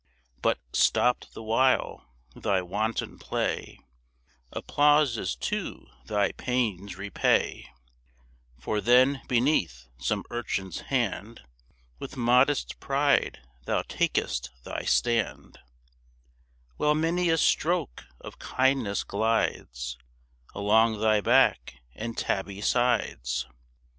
But, stopped the while thy wanton play, Applauses too thy pains repay: For then, beneath some urchin's hand With modest pride thou takest thy stand, While many a stroke of kindness glides Along thy back and tabby sides.